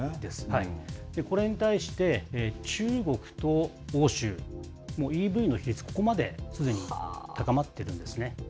これに対して、中国と欧州も、ＥＶの比率、ここまですでに高まってるんですね。